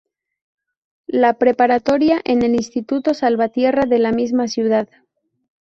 La preparatoria en el Instituto Salvatierra de la misma ciudad.